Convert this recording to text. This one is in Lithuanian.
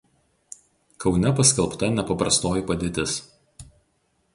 Kaune paskelbta nepaprastoji padėtis.